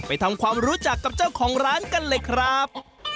ทำความรู้จักกับเจ้าของร้านกันเลยครับ